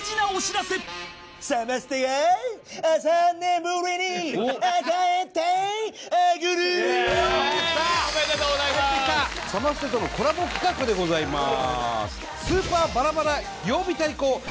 サマステとのコラボ企画でございます。